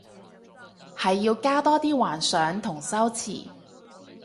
係要加多啲幻想同修辭